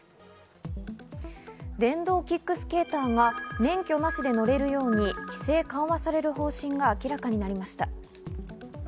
電動キックスケーターが免許なしで乗れるように規制緩和される方針が明らかになりました。